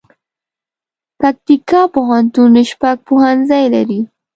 پکتيکا پوهنتون شپږ پوهنځي لري